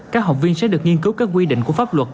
các học viên sẽ được nghiên cứu các quy định của pháp luật